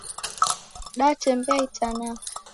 Datembea itana